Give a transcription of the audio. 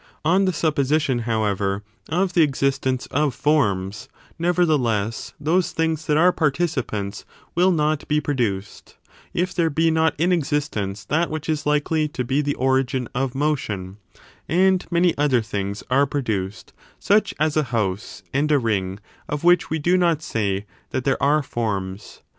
On the supposition, however, of the existence of forms, nevertheless, those things that are participants will not be produced, if there be not in existence that which is likely to be the origin of motion; and many other things are produced, such as a house and a ring, of which we do not say that there are forms.